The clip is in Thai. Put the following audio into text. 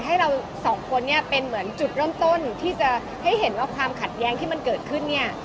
ให้เราสองคนเนี่ยเป็นเหมือนจุดเริ่มต้นที่จะให้เห็นว่าความขัดแย้งที่มันเกิดขึ้นเนี่ย